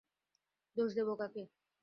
দোষ দেব কাকে?